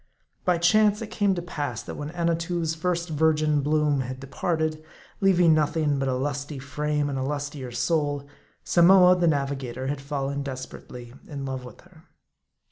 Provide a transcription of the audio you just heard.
By chance it came to pass that when Annatoo' s first virgin bloom had departed, leaving nothing but a lusty frame and a lustier soul, Samoa, the Navigator, had fallen desper ately in love with her.